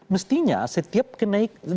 mestinya setiap kenaik